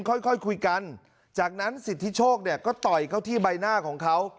ค่อยคุยกันจากนั้นสิทธิโชคเนี่ยก็ต่อยเขาที่ใบหน้าของเขา